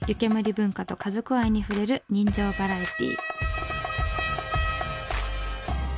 文化と家族愛に触れる人情バラエティー。